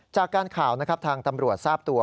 จากการข่าวนะครับทางตำรวจทราบตัว